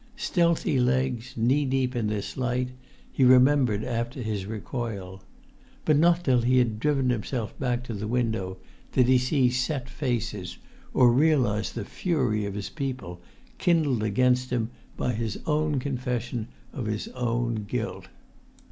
Stealthy legs, knee deep in this light, he remembered after his recoil. But not till he had driven himself back to the window did he see the set faces, or realize the fury of his people, kindled against him by his own confession of his own guilt.